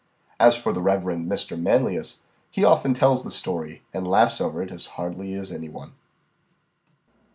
As for the Rev. Mr. Manlius, he often tells the story, and laughs over it as heartily as any one.